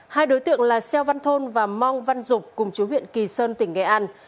hai đối tượng là xeo văn thôn và mong văn dục cùng chú huyện kỳ sơn tỉnh nghệ an